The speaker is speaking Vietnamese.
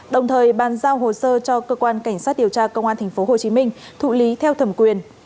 đồng thời bàn giao hồ sơ cho cơ quan cảnh sát điều tra công an tp hcm thụ lý theo thẩm quyền